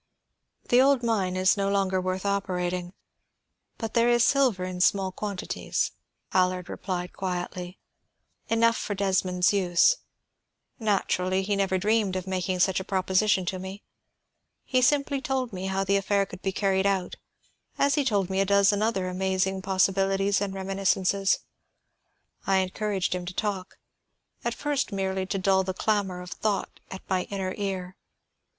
"The old mine is no longer worth operating; but there is silver in small quantities," Allard replied quietly. "Enough for Desmond's use. Naturally, he never dreamed of making such a proposition to me. He simply told me how the affair could be carried out, as he told me a dozen other amazing possibilities and reminiscences. I encouraged him to talk, at first merely to dull the clamor of thought at my inner ear.